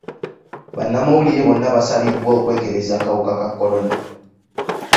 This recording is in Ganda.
Bannamawulire bonna baasabibwa okwekebeza akawuka ka kolona.